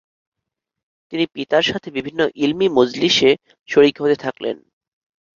তিনি পিতার সাথে বিভিন্ন ইলমী মজলিসে শরীক হতে থাকলেন।